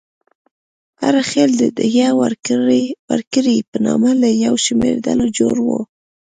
هر خېل د دیه ورکړې په نامه له یو شمېر ډلو جوړ و.